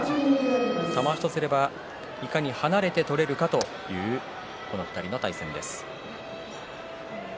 玉鷲とすれば、いかに離れて取れるかというこの２人の対戦です。